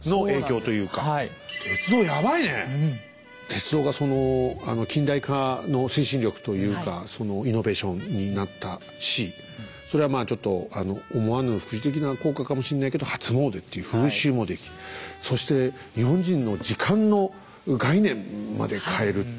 鉄道がその近代化の推進力というかそのイノベーションになったしそれはまあちょっと思わぬ副次的な効果かもしれないけど初詣っていう風習も出来そして日本人の時間の概念まで変えるっていう。